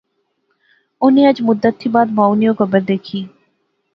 انی اج مدت تھی بعد مائو نی او قبر دیکھی